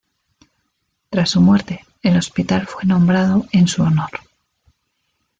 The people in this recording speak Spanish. Tras su muerte, el hospital fue nombrado en su honor.